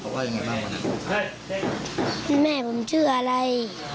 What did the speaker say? เป็นอย่ามั้ยโจระหรือ